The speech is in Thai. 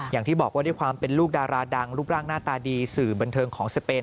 อย่างที่บอกว่าด้วยความเป็นลูกดาราดังรูปร่างหน้าตาดีสื่อบันเทิงของสเปน